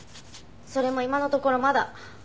それも今のところまだ。